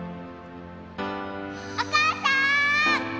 お母さん！